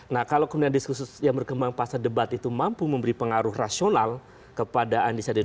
nah kalau kemudian diskursus yang berkembang pasca debat itu mampu memberi pengaruh rasional kepada undecided